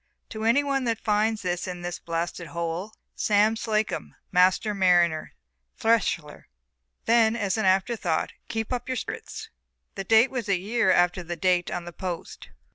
To any one that finds it in this blasted hole Sam Slacum, Master Mariner. Thresler 19 Then as an after thought: "Keep up your spirits." The date was a year after the date on the post.